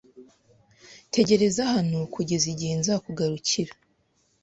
Tegereza hano kugeza igihe nzagarukira.